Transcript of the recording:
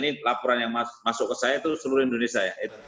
ini laporan yang masuk ke saya itu seluruh indonesia ya